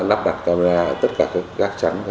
lắp đặt camera ở tất cả các gác trắng